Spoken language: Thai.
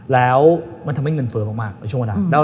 แล้วมันทำให้เงินเฟ้อมากในช่วงเวลา